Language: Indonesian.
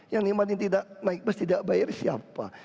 yang menikmatkan naik bus tidak bayar siapa